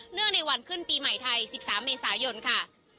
ในวันขึ้นปีใหม่ไทย๑๓เมษายนค่ะ